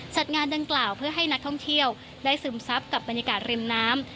จัดงานดังกล่าวเพื่อให้นักท่องเที่ยวได้ซึมซับกับบรรยากาศริมน้ำ